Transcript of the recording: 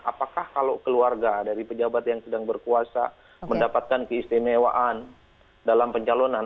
apakah kalau keluarga dari pejabat yang sedang berkuasa mendapatkan keistimewaan dalam pencalonan